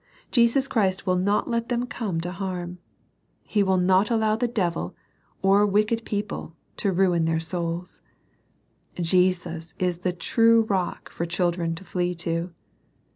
Jesus Christ will not let them come to harm. He will not allow the devil, or wicked LITTLE AND WISE. 5 1 people, to ruin their souls. Jesus is the true rock for children to flee to.